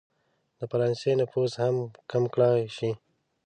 د فرانسې نفوذ هم کم کړه شي.